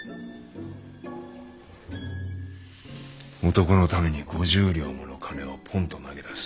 男のために５０両もの金をぽんと投げ出す。